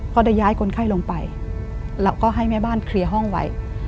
พอได้ย้ายคนไข้ลงไปเราก็ให้แม่บ้านเคลียร์ห้องไว้